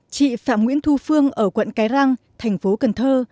chị phạm nguyễn thu phương ở quận cái răng thành phố cần thơ